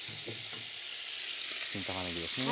新たまねぎですね。